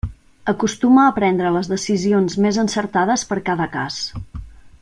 Acostuma a prendre les decisions més encertades per cada cas.